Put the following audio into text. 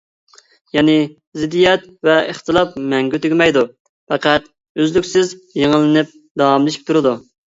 يەنى زىددىيەت ۋە ئىختىلاپ مەڭگۈ تۈگىمەيدۇ، پەقەت ئۈزلۈكسىز يېڭىلىنىپ، داۋاملىشىپ تۇرىدۇ.